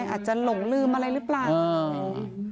อาจจะหลงลืมอะไรรึแปลไหม